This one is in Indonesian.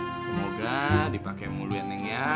semoga dipake mulu ya neng ya